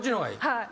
はい。